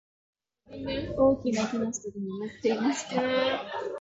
大きな木の下で眠っていました。